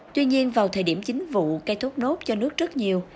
tuy nhiên vào thời điểm chính vụ cây thốt nốt cho nước rất nhiều